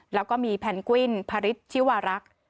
แล้วก็มีแพนกวินพระฤทธิวารักษ์